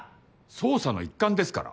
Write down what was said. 捜査の一環ですから。